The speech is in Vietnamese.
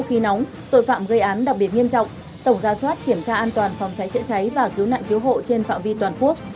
khi nóng tội phạm gây án đặc biệt nghiêm trọng tổng gia soát kiểm tra an toàn phòng cháy chữa cháy và cứu nạn cứu hộ trên phạm vi toàn quốc